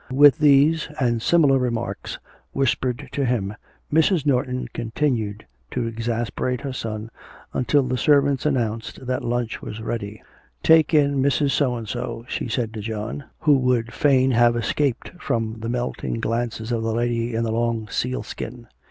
With these and similar remarks whispered to him, Mrs. Norton continued to exasperate her son until the servants announced that lunch was ready. 'Take in Mrs. So and so,' she said to John, who would fain have escaped from the melting glances of the lady in the long seal skin.